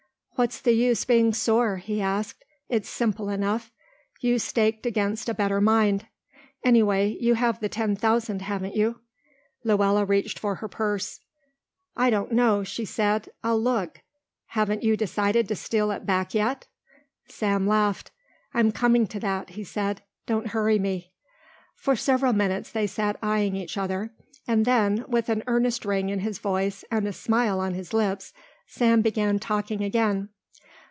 "What's the use being sore?" he asked. "It's simple enough. You staked against a better mind. Anyway you have the ten thousand, haven't you?" Luella reached for her purse. "I don't know," she said, "I'll look. Haven't you decided to steal it back yet?" Sam laughed. "I'm coming to that," he said, "don't hurry me." For several minutes they sat eyeing each other, and then, with an earnest ring in his voice and a smile on his lips, Sam began talking again.